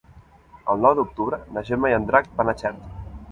El nou d'octubre na Gemma i en Drac van a Xert.